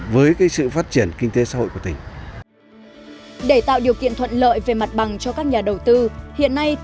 với sự phát triển của các dự án này